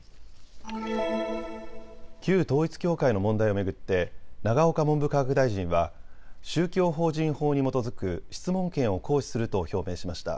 旧統一教会の問題を巡って永岡文部科学大臣は宗教法人法に基づく質問権を行使すると表明しました。